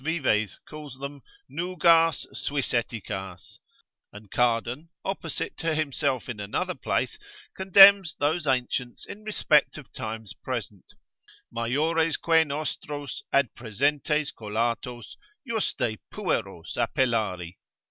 Vives calls them nugas Suisseticas: and Cardan, opposite to himself in another place, contemns those ancients in respect of times present, Majoresque nostros ad presentes collatos juste pueros appellari.